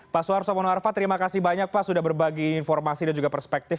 pak suarso mono arfa terima kasih banyak pak sudah berbagi informasi dan juga perspektif